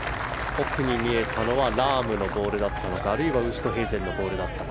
奥に見えたのはラームのボールだったのかあるいはウーストヘイゼンのボールだったか。